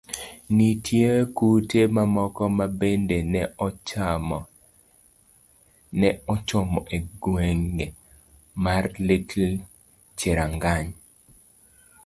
Nitie kute mamoko ma bende ne ochomo e gweng' mar Little Cherangany.